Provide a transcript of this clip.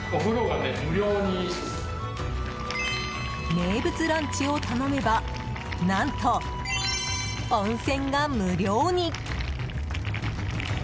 名物ランチを頼めば何と、温泉が無料に。